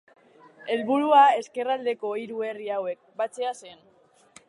Helburua ezkerraldeko hiru herri hauek batzea zen.